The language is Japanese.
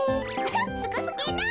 すごすぎる。